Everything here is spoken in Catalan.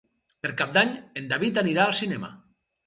Per Cap d'Any en David anirà al cinema.